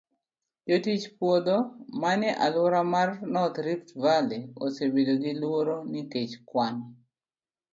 Jotich puodho manie alwora mar North Rift Valley osebedo gi luoro nikech kwan